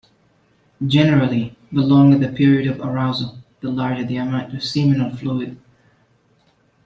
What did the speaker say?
Generally, the longer the period of arousal, the larger the amount of seminal fluid.